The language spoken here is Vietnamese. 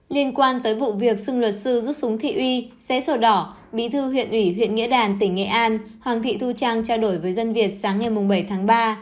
liên quan tới vụ việc xưng luật sư rút súng thị uy xé sổ đỏ bí thư huyện ủy huyện nghĩa đàn tỉnh nghệ an hoàng thị thu trang trao đổi với dân việt sáng ngày bảy tháng ba